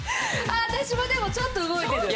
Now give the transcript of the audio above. あっ私もでもちょっと動いてる。